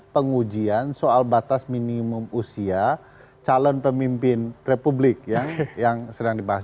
pengujian soal batas minimum usia calon pemimpin republik yang sedang dibahas